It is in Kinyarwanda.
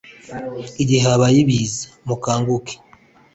igihe habaye ibiza mukanguke